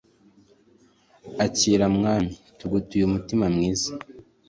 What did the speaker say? akira mwami), tugutuye umutima mwiza